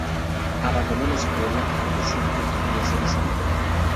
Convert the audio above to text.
Abandonó la escuela al decidir que quería ser escritor.